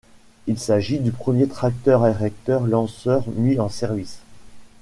Il s'agit du premier tracteur-érecteur-lanceur mis en service.